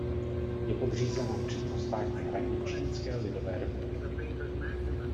Je podřízena přímo Státní radě Čínské lidové republiky.